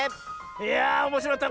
いやあおもしろかった。